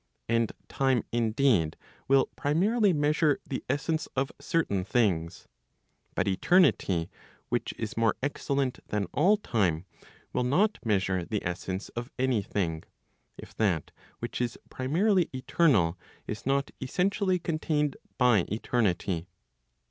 And time indeed, will primarily measure the essence of certain things, but eternity which is more excellent than all time, will not measure the essence of any thing, if that which is primarily eternal, is not essentially contained by eternity.